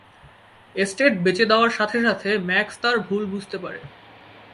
Estate বেচে দেওয়ার সাথে সাথে ম্যাক্স তার ভুল বুঝতে পারে।